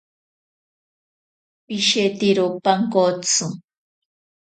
Pishetero pankotsi.